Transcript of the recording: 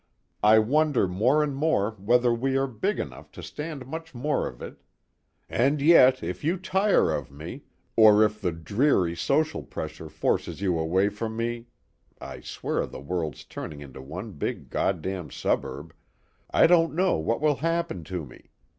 I wonder more and more whether we are big enough to stand much more of it. And yet if you tire of me, or if the dreary social pressure forces you away from me I swear the world's turning into one big God damned suburb I don't know what will happen to me.